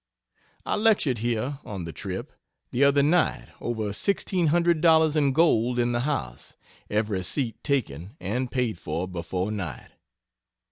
I lectured here, on the trip, the other night over sixteen hundred dollars in gold in the house every seat taken and paid for before night.